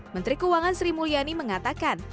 menteri keuangan sri mulyani mengatakan